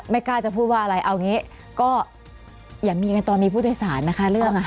กล้าจะพูดว่าอะไรเอาอย่างนี้ก็อย่ามีกันตอนมีผู้โดยสารนะคะเรื่อง